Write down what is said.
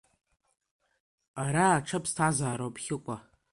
Ара аҽа ԥсҭазаароуп, Хьыкәа.